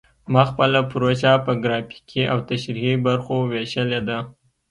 ما خپله پروژه په ګرافیکي او تشریحي برخو ویشلې ده